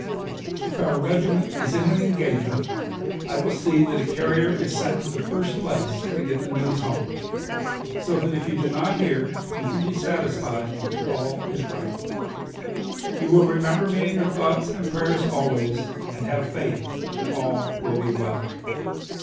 If our regiment is in an engagement, I will see that a carrier is sent to the first place to get the news home. So that if you do not hear you can be satisfied that all is right. You will remember me in your thoughts and prayers always, and have faith that all will be well."